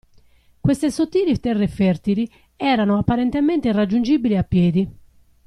Queste sottili terre fertili erano apparentemente irraggiungibili a piedi.